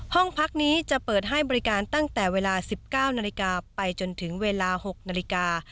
ห้องพักนี้จะเปิดให้บริการตั้งแต่เวลา๑๙นาฬิกาไปจนถึงเวลา๖นาฬิกา